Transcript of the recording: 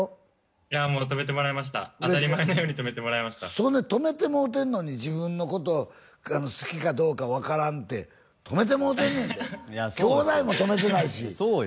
いやもう泊めてもらいました当たり前のように泊めてもらいましたそんで泊めてもうてんのに自分のこと好きかどうか分からんって泊めてもうてんねんで兄弟も泊めてないしそうよ